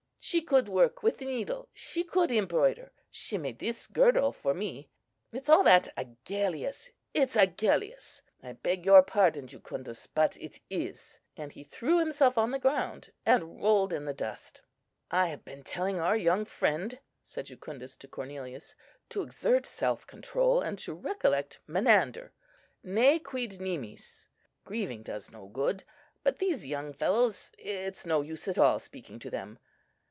She could work with the needle, she could embroider. She made this girdle for me. It's all that Agellius, it's Agellius. I beg your pardon, Jucundus; but it is;" and he threw himself on the ground, and rolled in the dust. "I have been telling our young friend," said Jucundus to Cornelius, "to exert self control, and to recollect Menander, 'Ne quid nimis.' Grieving does no good; but these young fellows, it's no use at all speaking to them.